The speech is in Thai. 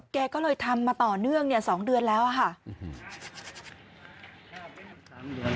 แกก็เลยทำมาต่อเนื่อง๒เดือนแล้วนะคะ